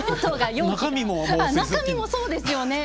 中身もそうですよね！